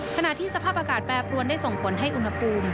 ขณะที่สภาพอากาศแปรปรวนได้ส่งผลให้อุณหภูมิ